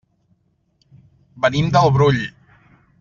Venim del Brull.